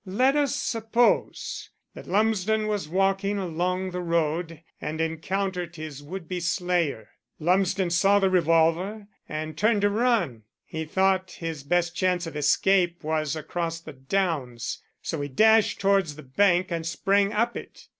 Let us suppose that Lumsden was walking along the road and encountered his would be slayer. Lumsden saw the revolver, and turned to run. He thought his best chance of escape was across the downs, so he dashed towards the bank and sprang up it.